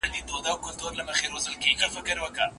هغه کتابونه چي شاګردانو لوستي دي ډېر ګټور دي.